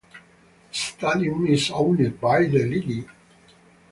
The stadium is owned by the league.